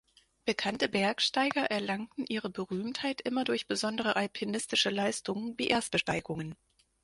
Bekannte Bergsteiger erlangten ihre Berühmtheit immer durch besondere alpinistische Leistungen wie Erstbesteigungen.